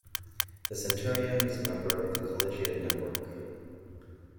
The "Centurion" is a member of the Collegiate Network.